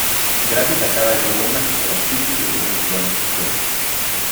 Gracias a cada globo mágico las pixies reciben un don especial.